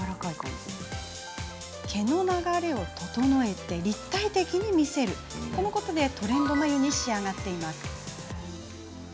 毛の流れを整えて立体的に見せることでトレンド眉に仕上がっています。